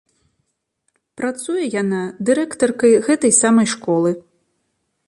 Працуе яна дырэктаркай гэтай самай школы.